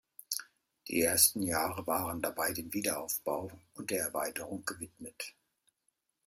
Die ersten Jahre waren dabei dem Wiederaufbau und der Erweiterung gewidmet.